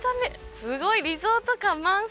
すごいリゾート感満載！